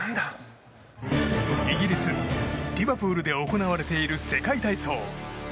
イギリス・リバプールで行われている世界体操。